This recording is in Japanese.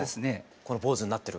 このポーズになってる。